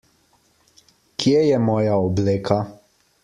Kje je moja obleka?